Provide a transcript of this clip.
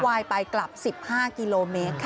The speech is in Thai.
วายไปกลับ๑๕กิโลเมตรค่ะ